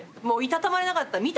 もう居たたまれなかった。